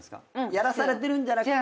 やらされてるんじゃなくて。